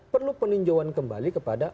perlu peninjauan kembali kepada